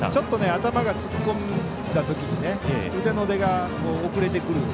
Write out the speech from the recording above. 頭が突っ込んだ時に腕が遅れてくる。